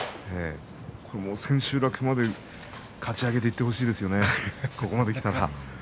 千秋楽まで勝ちを上げていってほしいですね、ここまできたら。